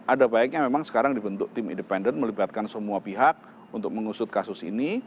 ada baiknya memang sekarang dibentuk tim independen melibatkan semua pihak untuk mengusut kasus ini